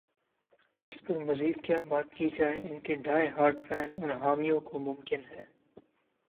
اس پر مزید کیا بات کی جائے ان کے ڈائی ہارڈ فین اور حامیوں کو ممکن ہے۔